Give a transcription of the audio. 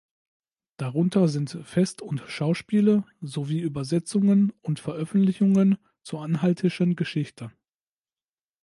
Darunter sind Fest- und Schauspiele sowie Übersetzungen und Veröffentlichungen zur anhaltischen Geschichte.